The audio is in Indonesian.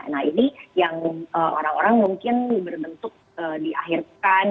nah ini yang orang orang mungkin berbentuk di akhirkan